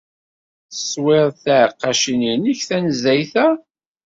Teswid tiɛeqqacin-nnek tanezzayt-a?